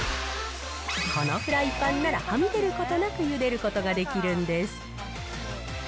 このフライパンなら、はみ出ることなくゆでることができるんです。